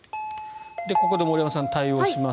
ここで森山さん対応します。